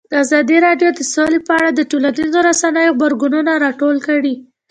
ازادي راډیو د سوله په اړه د ټولنیزو رسنیو غبرګونونه راټول کړي.